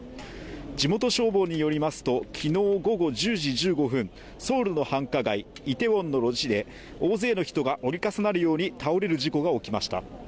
地元消防によりますと昨日午後１０時１５分、イテウォンの路地で大勢の人が折り重なるように倒れる事故が起きました。